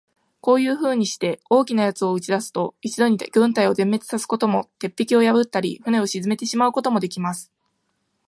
こういうふうにして、大きな奴を打ち出すと、一度に軍隊を全滅さすことも、鉄壁を破ったり、船を沈めてしまうこともできます。